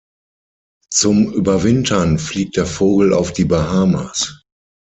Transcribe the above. Zum Überwintern fliegt der Vogel auf die Bahamas.